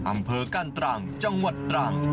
อำเภอกั้นตรังจังหวัดตรัง